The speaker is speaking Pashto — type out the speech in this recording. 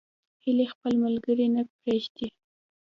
هیلۍ خپل ملګري نه پرېږدي